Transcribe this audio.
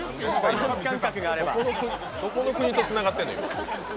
どこの国とつながってんの、今？